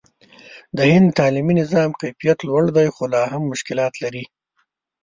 د هند د تعلیمي نظام کیفیت لوړ دی، خو لا هم مشکلات لري.